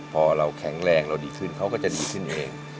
พอเราสำเร็จเร็คแรง